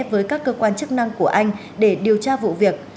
với các cơ quan chức năng của anh để điều tra vụ việc